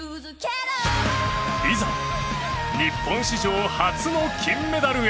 いざ、日本史上初の金メダルへ。